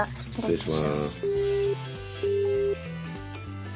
失礼します。